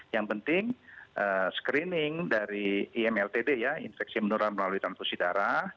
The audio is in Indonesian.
yang penting screening dari imltd ya infeksi menular melalui perang pusidara